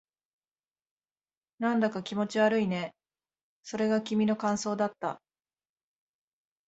なんだか気持ち悪いね。それが君の感想だった。